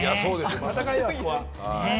戦いだよ、あそこは。